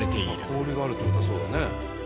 氷があるって事はそうだね。